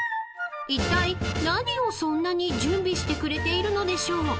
［いったい何をそんなに準備してくれているのでしょう？］